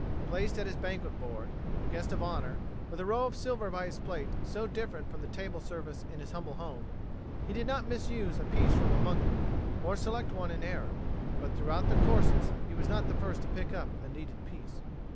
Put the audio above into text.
Placed at his first banquet board the guest of honor with a row of silver by his plate so different from the table service in his humble home, he did not misuse a piece from among them or select one in error. But throughout the courses he was not the first to pick up a needed piece.